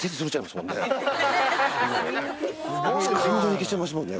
いけちゃいますもんね